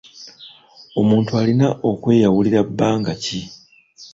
Omuntu alina okweyawulira bbanga ki?